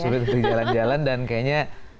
sulung tutup jalan jalan dan kayaknya